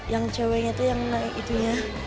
yang ceweknya itu yang naik itunya